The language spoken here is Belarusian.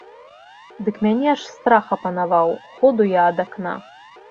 Дык мяне аж страх апанаваў, ходу я ад акна.